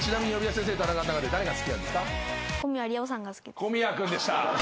小宮君でした。